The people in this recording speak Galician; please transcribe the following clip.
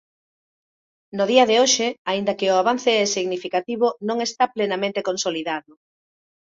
No día de hoxe, aínda que o avance é significativo non está plenamente consolidado.